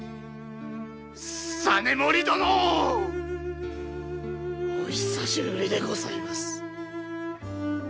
実盛殿！お久しぶりでございます。